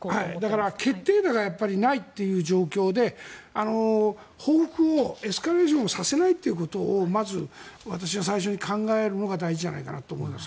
だから決定打がないという状況で報復をエスカレーションさせないということをまず私は最初に考えるのが大事じゃないかなと思います。